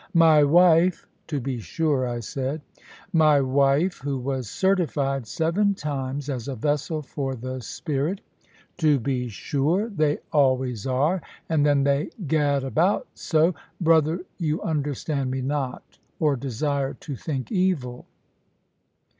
My wife " "To be sure," I said. "My wife, who was certified seven times as a vessel for the Spirit " "To be sure they always are; and then they gad about so " "Brother, you understand me not; or desire to think evil.